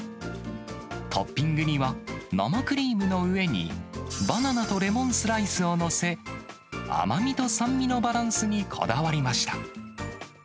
トッピングには、生クリームの上にバナナとレモンスライスを載せ、甘みと酸味のバランスにこだわりました。